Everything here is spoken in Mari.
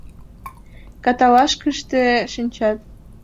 Каталажкыште шинчат.